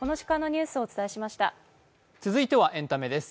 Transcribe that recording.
続いてはエンタメです。